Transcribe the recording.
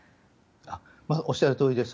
おっしゃるとおりです。